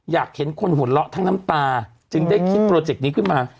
อยากเห็นคนหัวเราะทั้งน้ำตาจึงได้คิดโปรเจกต์นี้ขึ้นมา